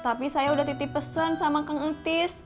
tapi saya udah titip pesen sama kengetis